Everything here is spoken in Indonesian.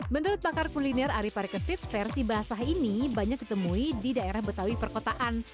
menurut pakar kuliner ari parikesit versi basah ini banyak ditemui di daerah betawi perkotaan